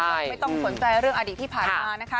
ไม่ต้องสนใจเรื่องอดีตที่ผ่านมานะคะ